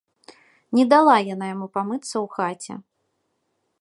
І не дала яна яму памыцца ў хаце.